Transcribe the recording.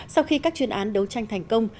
sau khi các chuyên án đấu tranh thành công